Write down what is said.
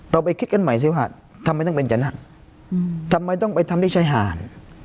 ไปคิดกันใหม่สิว่าทำไมต้องเป็นจะนั่งทำไมต้องไปทำที่ชายหาด